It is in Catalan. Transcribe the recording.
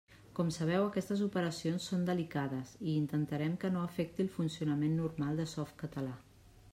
Com sabeu aquestes operacions són delicades i intentarem que no afecti el funcionament normal de Softcatalà.